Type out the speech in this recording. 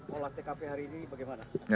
olah tkp hari ini bagaimana